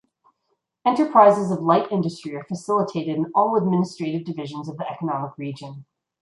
Enterprises of light industry are facilitated in all administrative divisions of the economic region.